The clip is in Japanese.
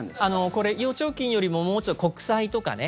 これ、預貯金よりももうちょっと、国債とかね。